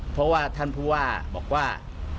เพราะว่าท่านพูนว่า